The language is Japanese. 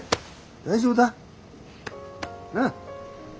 大丈夫だ。な。